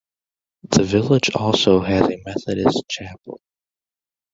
The village also has a Methodist chapel.